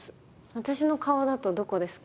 私の顔だとどこですか？